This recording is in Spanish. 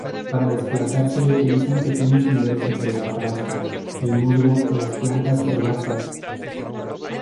Para desplazarse utilizan pequeños senderos entre la hojarasca, el musgo y las plantas herbáceas.